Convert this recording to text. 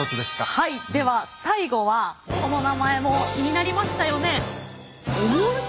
はいでは最後はこの名前も気になりましたよね。